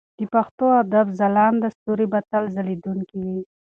د پښتو ادب ځلانده ستوري به تل ځلېدونکي وي.